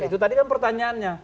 itu tadi kan pertanyaannya